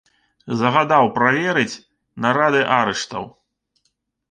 Загадаў праверыць нарады арыштаў.